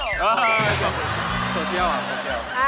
โซเชียลค่ะ